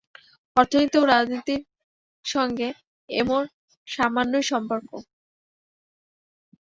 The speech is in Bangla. অর্থনীতি ও রাজনীতির সঙ্গে এর সামান্যই সম্পর্ক।